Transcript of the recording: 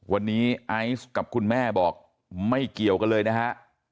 วันนี้ไอซ์กับคุณแม่บอกไม่เกี่ยวกันเลยนะฮะ